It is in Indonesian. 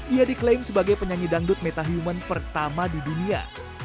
ia diklaim sebagai penyanyi dangdut metahuman pertama di dunia